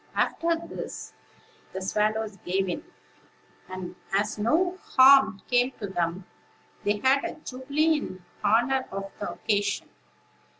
After this the swallows gave in; and, as no harm came to them, they had a jubilee in honor of the occasion.